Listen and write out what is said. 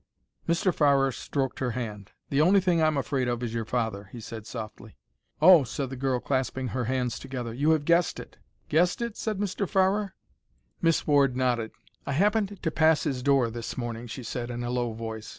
Mr. Farrer stroked her hand. "The only thing I'm afraid of is your father," he said, softly. "Oh!" said the girl, clasping her hands together. "You have guessed it." "Guessed it?" said Mr. Farrer. Miss Ward nodded. "I happened to pass his door this morning," she said, in a low voice.